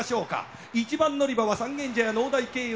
１番乗り場は三軒茶屋農大経由